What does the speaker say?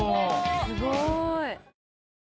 すごい。